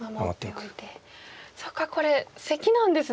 そっかこれセキなんですね。